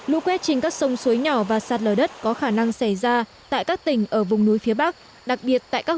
lũ quét trên các sông suối nhỏ và sạt lờ đất có khả năng xảy ra tại các tỉnh ở vùng núi phía bắc